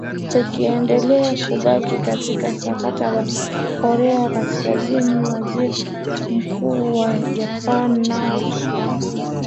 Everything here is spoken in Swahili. tukiendelea kubaki katika sakata la korea kaskazini waziri mkuu wa japan nao tu khan